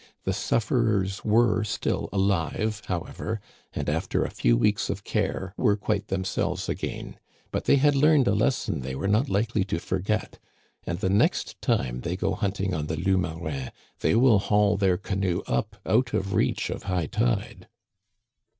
The sufferers were still alive, however, and aft er a few weeks of care were quite themselves again ; but they had learned a lesson they were not likely to forget, and the next time they go hunting on the Loups Marins they will haul their canoe up out of reach of high tide."